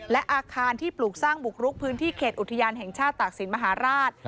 และอาคารที่ปลูกสร้างบุกรุกพื้นที่เขตอุทยานแห่งชาติตากศิลปมหาราช